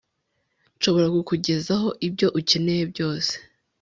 nshobora kukugezaho ibyo ukeneye byose